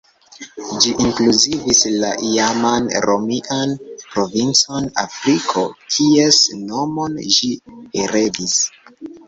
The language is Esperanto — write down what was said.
Ĝi inkluzivis la iaman romian provincon Afriko, kies nomon ĝi heredis.